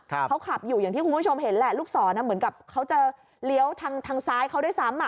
เขาขับอยู่อย่างที่คุณผู้ชมเห็นแหละลูกศรเหมือนกับเขาจะเลี้ยวทางทางซ้ายเขาด้วยซ้ำอ่ะ